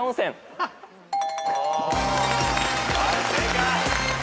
はい正解。